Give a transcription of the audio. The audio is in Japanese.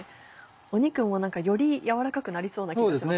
肉もより軟らかくなりそうな気がしますね。